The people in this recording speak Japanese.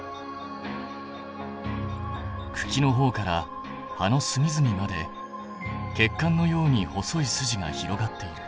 くきのほうから葉のすみずみまで血管のように細い筋が広がっている。